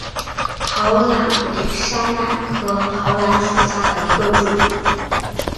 桃榄为山榄科桃榄属下的一个种。